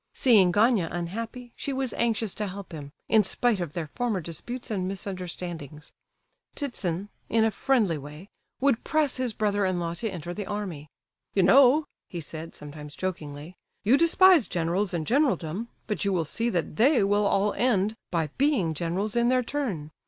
Seeing Gania unhappy, she was anxious to help him, in spite of their former disputes and misunderstandings. Ptitsin, in a friendly way, would press his brother in law to enter the army. "You know," he said sometimes, jokingly, "you despise generals and generaldom, but you will see that 'they' will all end by being generals in their turn.